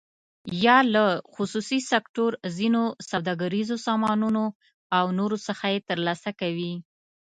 یا له خصوصي سکتور، ځینو سوداګریزو سازمانونو او نورو څخه یې تر لاسه کوي.